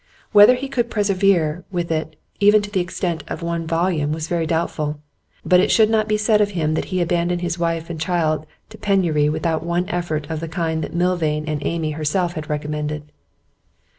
Whether he could persevere with it even to the extent of one volume was very doubtful. But it should not be said of him that he abandoned his wife and child to penury without one effort of the kind that Milvain and Amy herself had recommended.